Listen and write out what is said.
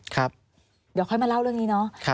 เดี๋ยวค่อยมาเล่าเรื่องนี้เนาะ